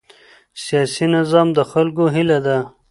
سیاسي نظام د خلکو هیله ده